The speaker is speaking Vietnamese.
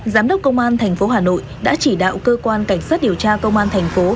giám đốc công an tp hà nội đã chỉ đạo cơ quan cảnh sát điều tra công an tp